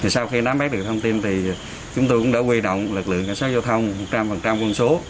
sau khi nắm bắt được thông tin thì chúng tôi cũng đã quy động lực lượng cảnh sát giao thông một trăm linh quân số